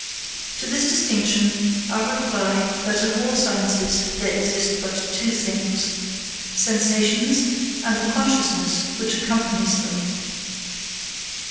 To this distinction, I reply that in all sciences there exist but two things: sensations and the consciousness which accompanies them.